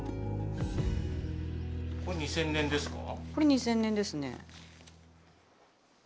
これ２０００年ですか？